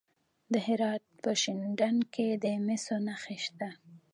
د هرات په شینډنډ کې د مسو نښې شته.